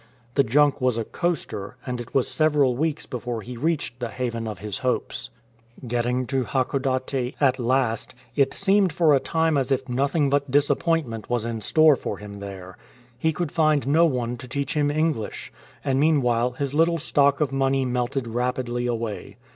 The junk was a coaster, and it was several weeks before he reached the haven of his hopes. Getting to Hakodate at last, it seemed for a time as if nothing but disappointment was in store for him there. He could find no one to teach him English, and meanwhile his little stock of money melted rapidly away.